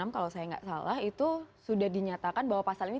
kalau saya nggak salah itu sudah dinyatakan bahwa pasal ini